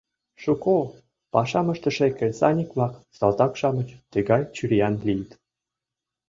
Шуко пашам ыштыше кресаньык-влак, салтак-шамыч тыгай чуриян лийыт.